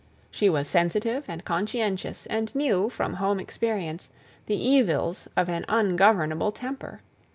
She was sensitive and conscientious, and knew, from home experience, the evils of an ungovernable temper.